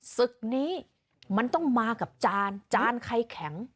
ศึกนี้มันต้องมากับจานจานใครแข็ง